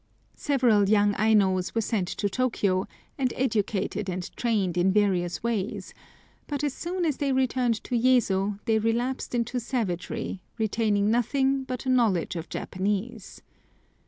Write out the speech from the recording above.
Several young Ainos were sent to Tôkiyô, and educated and trained in various ways, but as soon as they returned to Yezo they relapsed into savagery, retaining nothing but a knowledge of Japanese.